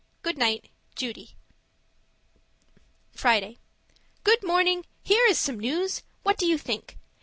Good night, Judy Friday Good morning! Here is some news! What do you think?